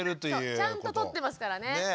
そうちゃんと取ってますからね。